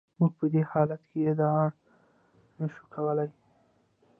موږ په دې حالت کې ادعا نشو کولای.